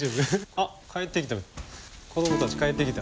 あっ帰ってきた。